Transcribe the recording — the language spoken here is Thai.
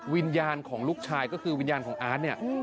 วิญญาณของลูกชายก็คือวิญญาณของอาร์ตเนี่ย